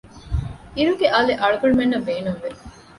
އިރުގެ އަލި އަޅުގަނޑުމެންނަށް ބޭނުން ވެ